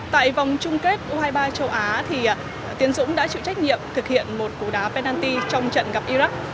tại vòng chung kết u hai mươi ba châu á tiến dũng đã chịu trách nhiệm thực hiện một cú đá penalty trong trận gặp iraq